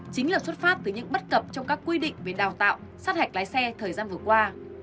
chính là xuất phát từ những bất cập trong các quy định về đào tạo sát hạch lái xe thời gian vừa qua